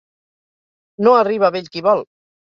No arriba a vell qui vol.